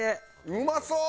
うまそう！